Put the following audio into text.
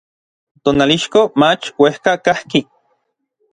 Tonalixco mach uejka kajki.